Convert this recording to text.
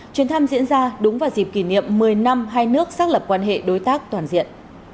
chuyến thăm diễn ra đúng vào dịp kỷ niệm một mươi năm hai nước xác lập quan hệ đối tác toàn diện